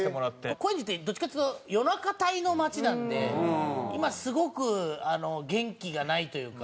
高円寺ってどっちかっつうと夜中帯の街なので今すごく元気がないというか。